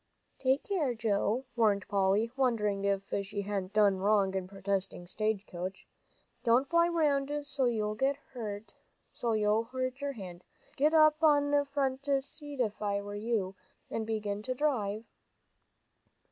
"Take care, Joe," warned Polly, wondering if she hadn't done wrong in proposing stagecoach, "don't fly round so. You'll hurt your hand. I'd get up on the front seat if I were you, and begin to drive."